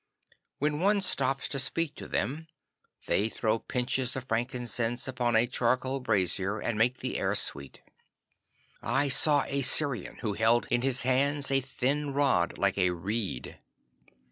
When one stops to speak to them, they throw pinches of frankincense upon a charcoal brazier and make the air sweet. I saw a Syrian who held in his hands a thin rod like a reed.